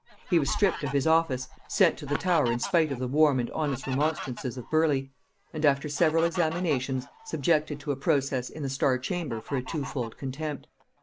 He was stripped of his office, sent to the Tower in spite of the warm and honest remonstrances of Burleigh, and after several examinations subjected to a process in the Star chamber for a twofold contempt.